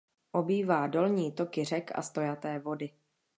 Obývá dolní toky řek a stojaté vody.